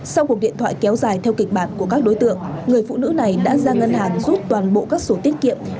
sau cuộc điện thoại kéo dài theo kịch bản của các đối tượng người phụ nữ này đã ra ngân hàng rút toàn bộ các sổ tiết kiệm